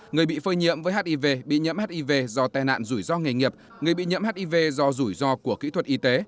người bị phơi nhiễm với hiv bị nhiễm hiv do tai nạn rủi ro nghề nghiệp người bị nhiễm hiv do rủi ro của kỹ thuật y tế